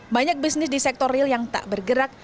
banyak bisnis di sektor real yang tak bergerak